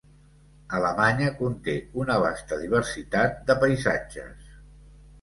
Alemanya conté una vasta diversitat de paisatges.